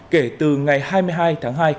kể từ ngày hai mươi hai tháng hai